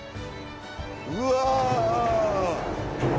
うわ！